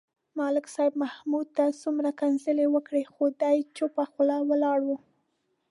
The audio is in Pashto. ملک صاحب محمود ته څومره کنځلې وکړې. خو دی چوپه خوله ولاړ و.